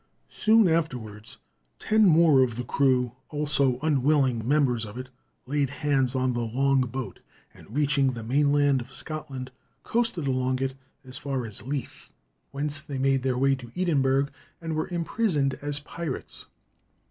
Soon afterwards ten more of the crew, also unwilling members of it, laid hands on the long boat, and reaching the mainland of Scotland, coasted along it as far as Leith, whence they made their way to Edinburgh, and were imprisoned as pirates.